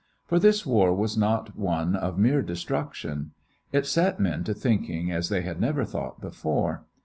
For this war was not one of mere destruction. It set men to thinking as they had never thought before.